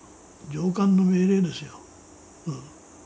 上官の命令ですよ。